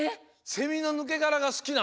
セミのぬけがらがすきなの？